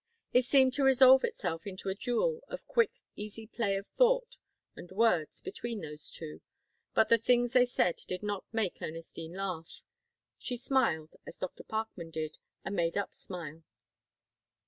It seemed to resolve itself into a duel of quick, easy play of thought and words between those two. But the things they said did not make Ernestine laugh. She smiled, as Dr. Parkman did, a "made up" smile.